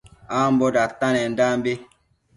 Ambo datanendanbi